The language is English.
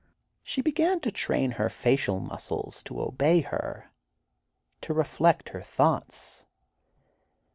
She began to train her facial muscles to obey her, to reflect her thoughts.